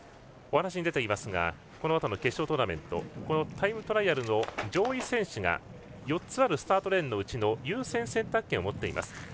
お話に出ていますがこのあとの決勝トーナメントタイムトライアルの上位選手が４つあるスタートレーンのうちの優先選択権を持っています。